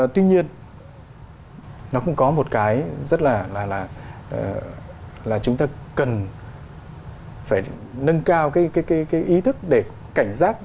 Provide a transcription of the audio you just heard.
tuy nhiên nó cũng có một cái rất là là chúng ta cần phải nâng cao cái ý thức để cảnh giác